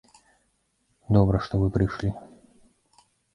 Добра, што вы прышлі.